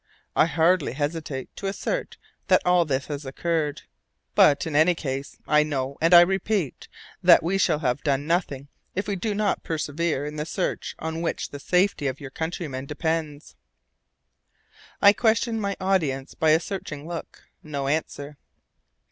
I hardly hesitate to assert that all this has occurred; but in any case, I know, and I repeat, that we shall have done nothing if we do not persevere in the search on which the safety of your countrymen depends." I questioned my audience by a searching look. No answer.